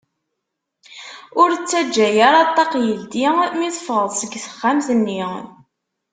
Ur ttaǧǧa ara ṭṭaq yeldi mi teffɣeḍ seg texxamt-nni.